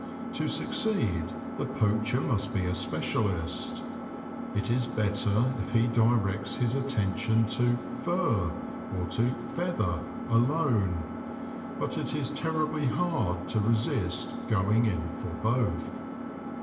To succeed the poacher must be a specialist. It is better if he directs his attention to '' fur," or to '' feather " alone ; but it is terribly hard to resist going in for both.